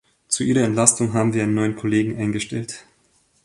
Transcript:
Zu Ihrer Entlastung haben wir einen neuen Kollegen eingestellt.